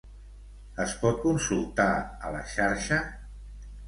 Es pot consultar a la xarxa?